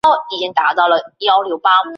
目前原址已无历史痕迹。